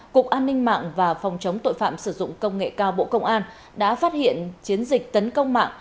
cục an ninh mạng và phòng chống tội phạm sử dụng công nghệ cao bộ công an đã phát hiện chiến dịch tấn công mạng